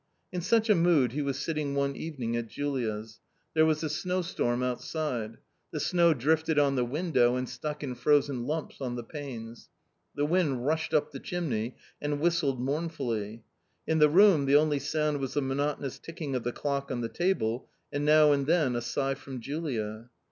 In such a mood he was sitting one evening at Julia's. There was a snowstorm outside. The snow drifted on the window and stuck in frozen lumps on the panes. The wind rushed up the chimney and whistled mourn fully. In the room the only sound was the monotonous tick ing of the clock on the table and now and then a sigh from Julia.